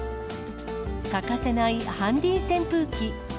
欠かせないハンディ扇風機。